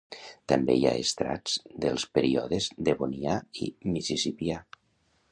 També hi ha estrats dels períodes Devonià i , Mississippià.